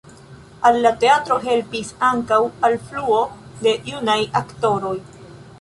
Al la teatro helpis ankaŭ alfluo de junaj aktoroj.